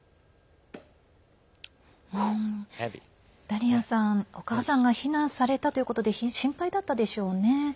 ダリアさん、お母さんが避難されたということで心配だったでしょうね。